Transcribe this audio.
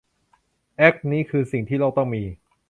แอคนี้คือสิ่งที่โลกต้องมี